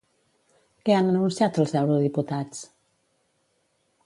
Què han anunciat els eurodiputats?